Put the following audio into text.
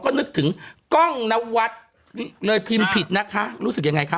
ก็นึกถึงกล้องนวัฒน์เลยพิมพ์ผิดนะคะรู้สึกยังไงคะ